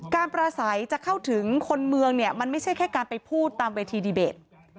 ประสัยจะเข้าถึงคนเมืองเนี่ยมันไม่ใช่แค่การไปพูดตามเวทีดีเบต